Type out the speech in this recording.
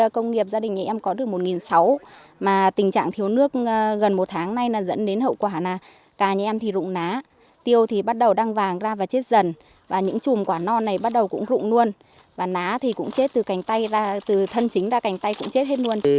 công nghiệp gia đình nhà em có được một sáu mà tình trạng thiếu nước gần một tháng nay là dẫn đến hậu quả là cà nhà em thì rụng ná tiêu thì bắt đầu đăng vàng ra và chết dần và những chùm quả non này bắt đầu cũng rụng luôn và ná thì cũng chết từ cành tay và từ thân chính ra cành tay cũng chết hết luôn